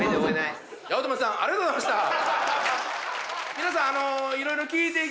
皆さん。